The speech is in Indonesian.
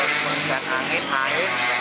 pengisian angin air